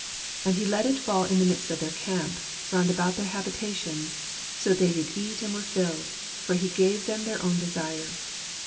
And he let it fall in the midst of their camp. Round about their habitations; So they did eat and were filled. For he gave them their own desire.